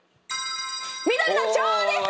緑の「腸」です！